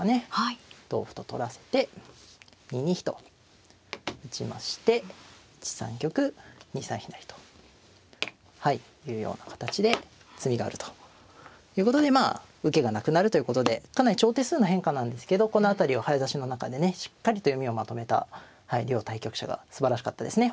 同歩と取らせて２二飛と打ちまして１三玉２三飛成というような形で詰みがあるということでまあ受けがなくなるということでかなり長手数の変化なんですけどこの辺りを早指しの中でねしっかりと読みをまとめた両対局者がすばらしかったですね。